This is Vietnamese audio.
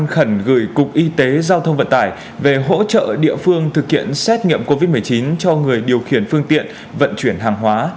bộ giao thông vận tải đã gửi cục y tế giao thông vận tải về hỗ trợ địa phương thực hiện xét nghiệm covid một mươi chín cho người điều khiển phương tiện vận chuyển hàng hóa